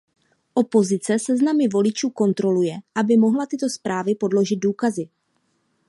Opozice seznamy voličů kontroluje, aby mohla tyto zprávy podložit důkazy.